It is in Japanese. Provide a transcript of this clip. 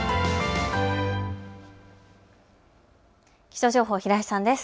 気象情報、平井さんです。